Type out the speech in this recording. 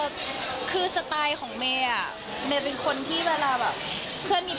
เดี๋ยวก่อนหน้านี้ที่ไม่ออกมาพบคลิป